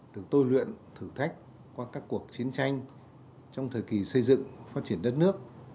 được tôi luyện thử thách qua các cuộc chiến tranh trong thời kỳ xây dựng phát triển đất nước